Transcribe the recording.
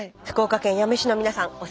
福岡県八女市の皆さん